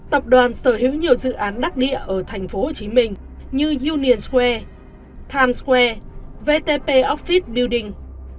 tập đoàn sở hữu nhiều dự án đắc địa ở thành phố hồ chí minh như union square times square vtp office building